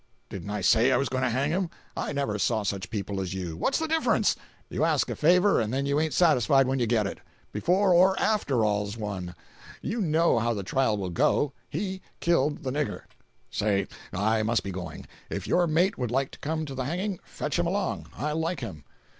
"Didn't I say I was going to hang him? I never saw such people as you. What's the difference? You ask a favor, and then you ain't satisfied when you get it. Before or after's all one—you know how the trial will go. He killed the nigger. Say—I must be going. If your mate would like to come to the hanging, fetch him along. I like him."